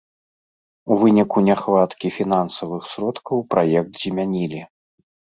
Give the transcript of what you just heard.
У выніку няхваткі фінансавых сродкаў праект змянілі.